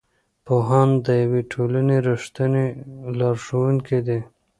پوهان د یوې ټولنې رښتیني لارښوونکي دي.